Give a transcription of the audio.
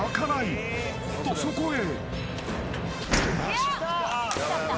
［とそこへ］